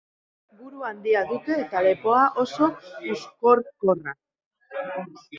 Buru handia dute eta lepoa ez oso uzkurkorra.